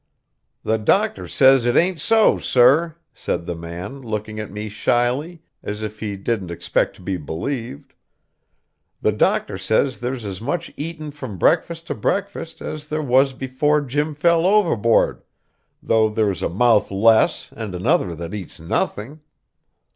"The doctor says it ain't so, sir," said the man, looking at me shyly, as if he didn't expect to be believed; "the doctor says there's as much eaten from breakfast to breakfast as there was before Jim fell overboard, though there's a mouth less and another that eats nothing.